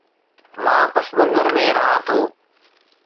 مان پس منظر ۾ رهان ٿو